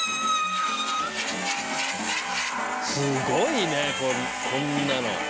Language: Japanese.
すごいねこんなの。